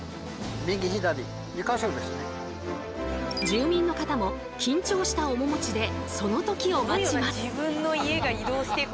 住民の方も緊張した面持ちでその時を待ちます。